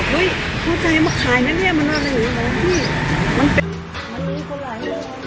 บอกอุ๊ยพอใจมาขายมั้ยเนี้ยมันอะไรอยู่นี่มันเป็น